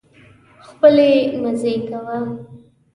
خپلې مزې کوه.